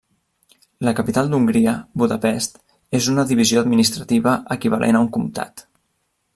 La capital d'Hongria, Budapest, és una divisió administrativa equivalent a un comtat.